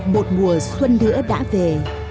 một mùa xuân nữa đã về